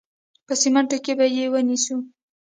په سمینټو کې به یې ونیسو.